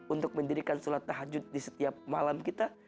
untuk mendirikan sholat tahajud di setiap malam kita